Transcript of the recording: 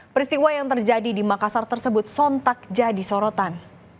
peristiwa yang terjadi di makassar tersebut sontak jadi sorotan